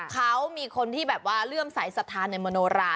เขามีคนที่แบบว่าเลื่อมสายศรัทธาในมโนรา